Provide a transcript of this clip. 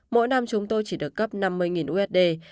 mỗi năm chúng tôi chỉ được cấp năm mươi usd